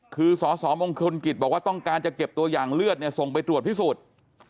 คือสสมงคลกิจบอกว่าต้องการจะเก็บตัวอย่างเลือดส่งไปตรวจพิสูจน์